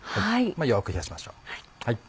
よく冷やしましょう。